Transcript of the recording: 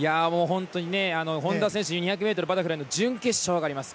本多選手は２００ｍバタフライの準決勝があります。